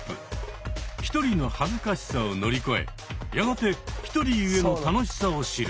ひとりの恥ずかしさを乗り越えやがてひとりゆえの楽しさを知る。